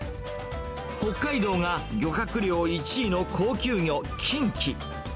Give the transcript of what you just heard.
北海道が漁獲量１位の高級魚、キンキ。